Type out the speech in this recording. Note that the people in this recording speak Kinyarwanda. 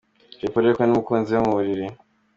Jay Polly ari kumwe n'umukunzi we mu buriri.